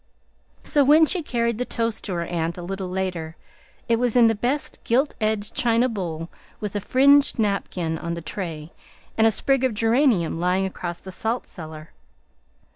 So when she carried the toast to her aunt a little later, it was in the best gilt edged china bowl, with a fringed napkin on the tray and a sprig of geranium lying across the salt cellar.